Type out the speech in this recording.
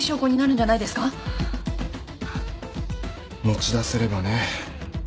持ち出せればね。